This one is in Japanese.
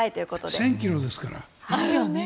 １０００ｋｍですから。